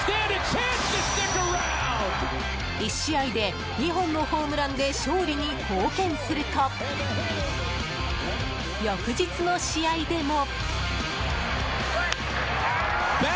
１試合で２本のホームランで勝利に貢献すると翌日の試合でも。